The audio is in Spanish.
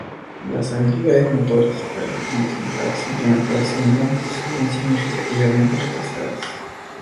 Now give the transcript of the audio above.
Las habilidades motoras, tales como sentarse, levantarse y andar se ven significativamente retrasadas.